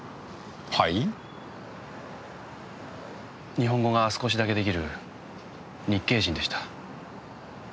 日本語が少しだけ出来る日系人でした。